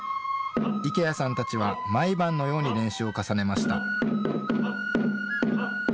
池谷さんたちは毎晩のように練習を重ねました。